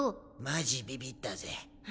マジビビったぜ。